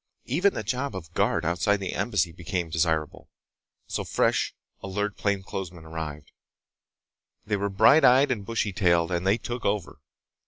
Even the job of guard outside the Embassy became desirable. So fresh, alert plainclothesmen arrived. They were bright eyed and bushy tailed, and they took over.